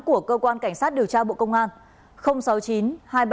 của cơ quan cảnh sát điều tra bộ công an